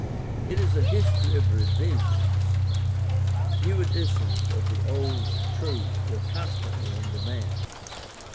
It is a history of revisions. New editions of the old truths were constantly in demand.